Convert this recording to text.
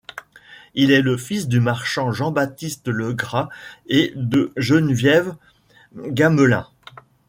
Il est le fils du marchand Jean-Baptiste Legras et de Geneviève Gamelin.